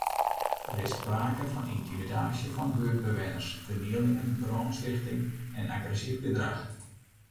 Der is sprake fan yntimidaasje fan buertbewenners, fernielingen, brânstichting en agressyf gedrach.